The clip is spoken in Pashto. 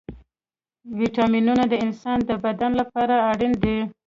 ويټامينونه د انسان د بدن لپاره اړين دي.